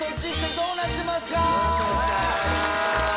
どうなってますか。